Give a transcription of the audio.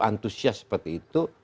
antusias seperti itu